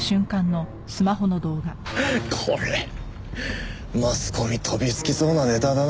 フッこれマスコミ飛びつきそうなネタだな。